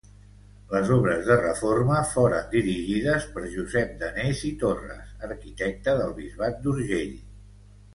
Les obres de reforma foren dirigides per Josep Danés i Torres, arquitecte del bisbat d'Urgell.